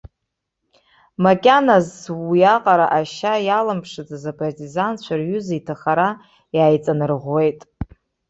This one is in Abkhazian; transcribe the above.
Макьаназ уиаҟара ашьа иаламԥшыцыз апартизанцәа рҩыза иҭахара иааиҵанарӷәӷәеит.